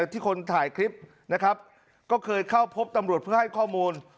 ที่คนถ่ายคลิปนะครับก็เคยเข้าพบตำรวจเพื่อให้ข้อมูล